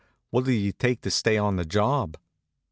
"What'll you take to stay on the job?"